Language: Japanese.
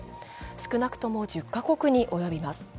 少なくとも１０カ国に及びます。